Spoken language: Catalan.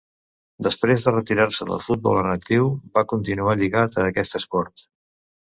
Després de retirar-se del futbol en actiu va continuar lligat a aquest esport.